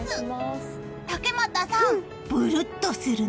竹俣さん、ぶるっとするね。